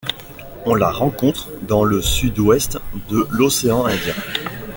On la rencontre dans le sud-ouest de l'océan Indien.